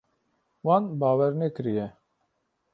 Wan bawer nekiriye.